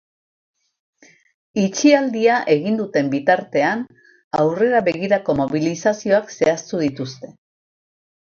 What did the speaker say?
Itxialdia egin duten bitartean, aurrera begirako mobilizazioak zehaztu dituzte.